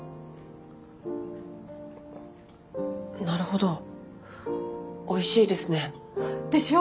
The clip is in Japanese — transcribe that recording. なるほどおいしいですね。でしょ。